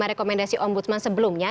terima rekomendasi om busman sebelumnya